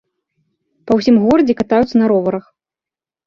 Па ўсім горадзе катаюцца на роварах.